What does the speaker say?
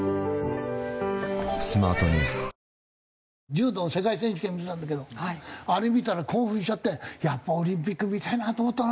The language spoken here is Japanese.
柔道世界選手権見てたんだけどあれ見たら興奮しちゃってやっぱオリンピック見たいなと思ったな。